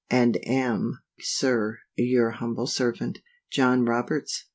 And am, Sir, your humble servant, JOHN ROBERTS.